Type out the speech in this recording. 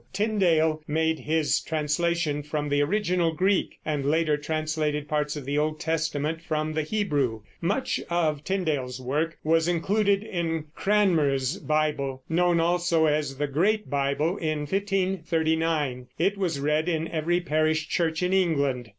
Tyndale made his translation from the original Greek, and later translated parts of the Old Testament from the Hebrew. Much of Tyndale's work was included in Cranmer's Bible, known also as the Great Bible, in 1539, and was read in every parish church in England.